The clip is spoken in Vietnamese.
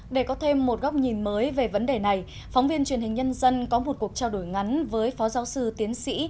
để có thêm một góc nhìn mới về vấn đề này phóng viên truyền hình nhân dân có một cuộc trao đổi ngắn với phó giáo sư tiến sĩ